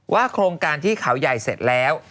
โครงการที่เขาใหญ่เสร็จแล้ว